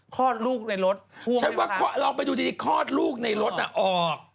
คลอดลูกในรถว่ามันคำใจไหมคะลองไปดูจริงคลอดลูกในรถออก